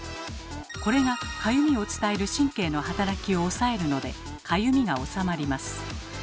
これがかゆみを伝える神経の働きを抑えるのでかゆみがおさまります。